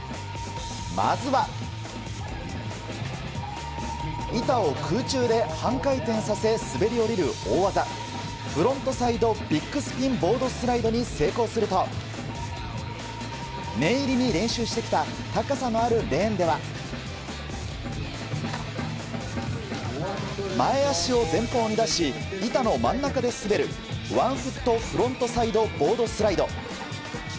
まずは、板を空中で半回転させ滑り降りる大技フロントサイドビッグスピンボードスライドに成功すると念入りに練習してきた高さのあるレーンでは前足を前方に出し板の真ん中で滑るワンフットフロントサイドボードスライド。